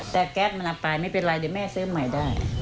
แต่แก๊สมันเอาไปไม่เป็นไรเดี๋ยวแม่ซื้อใหม่ได้